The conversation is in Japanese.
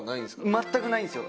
全くないんですよ。